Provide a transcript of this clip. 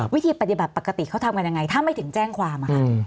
วิธีปฏิบัติปกติเขาทำกันยังไงถ้าไม่ถึงแจ้งความค่ะ